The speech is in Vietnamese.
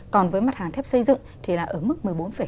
còn với mặt hàng thép xây dựng thì là ở mức một mươi bốn năm